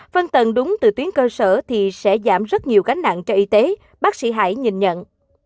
phân tầng đúng từ tuyến cơ sở thì sẽ giảm rất nhiều gánh nặng cho y tế bác sĩ hải nhìn nhận